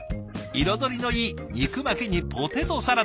彩りのいい肉巻きにポテトサラダ。